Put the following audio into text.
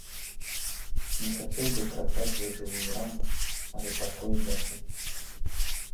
Не хацеў бы кратаць за жывую рану, але такой бяды.